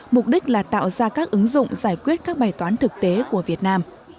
mục đích là tạo ra các ứng dụng giải quyết các bài toán thực tế của việt nam